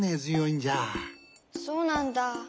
そうなんだ。